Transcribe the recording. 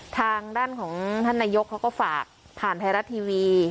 ทางด้านของท่านนายกเขาก็ฝากผ่านไทยรัฐทีวี